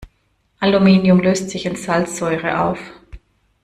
Aluminium löst sich in Salzsäure auf.